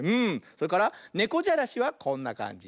それからねこじゃらしはこんなかんじ。